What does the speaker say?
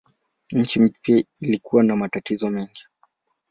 Nchi mpya ilikuwa na matatizo mengi.